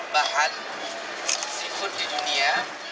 bahan seafood di dunia